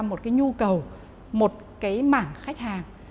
một cái nhu cầu một cái mảng khách hàng